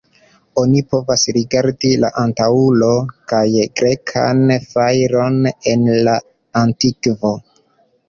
Oni povas rigardi antaŭulo la grekan fajron en la Antikvo.